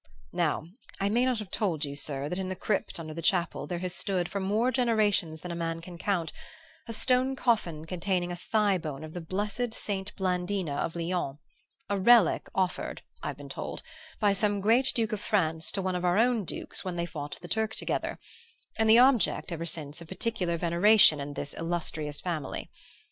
"Now I may not have told you, sir, that in the crypt under the chapel there has stood, for more generations than a man can count, a stone coffin containing a thighbone of the blessed Saint Blandina of Lyons, a relic offered, I've been told, by some great Duke of France to one of our own dukes when they fought the Turk together; and the object, ever since, of particular veneration in this illustrious family.